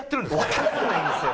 わかんないんですよ